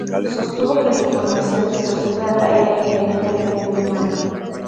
Sostuvo que la información distorsionada era inherente a la mente humana.